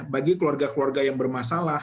bagi keluarga keluarga yang bermasalah